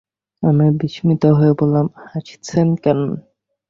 আমি বিস্মিত হয়ে বললাম, হাসছেন কেন?